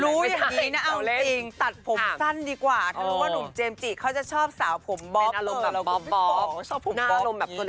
รู้อย่างนี้นะเอาจริง